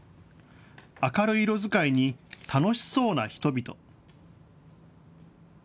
明るい色使いに、楽しそうな人々。